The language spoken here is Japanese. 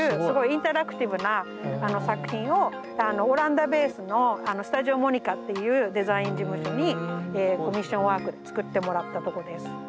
すごいインタラクティブな作品をオランダベースのスタジオモニカっていうデザイン事務所にコミッションワークで作ってもらったとこです。